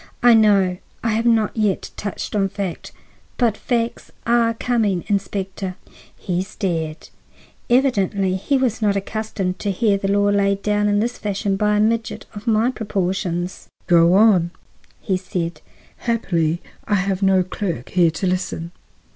"I know. I have not yet touched on fact. But facts are coming, Inspector." He stared. Evidently he was not accustomed to hear the law laid down in this fashion by a midget of my proportions. "Go on," said he; "happily, I have no clerk here to listen."